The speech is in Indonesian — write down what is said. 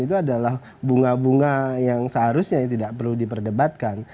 itu adalah bunga bunga yang seharusnya tidak perlu diperdebatkan